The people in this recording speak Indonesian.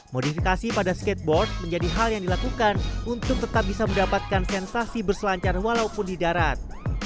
modifikasi pada skateboard menjadi hal yang dilakukan untuk tetap bisa mendapatkan sensasi berselancar walaupun di darat